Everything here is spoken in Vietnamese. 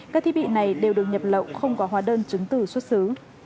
các thiết bị này đều được nhập lậu không có hóa đơn chứng từ xuất xứ